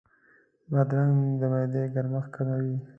بادرنګ د معدې ګرمښت کموي.